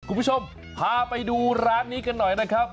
คุณผู้ชมพาไปดูร้านนี้กันหน่อยนะครับ